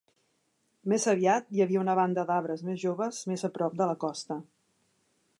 Més aviat, hi havia una banda d'arbres més joves més a prop de la costa.